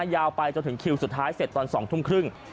ยาวไปจนถึงคิวสุดท้ายเสร็จตอน๒ทุ่มครึ่ง